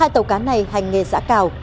hai tàu cá này hành nghề giã cào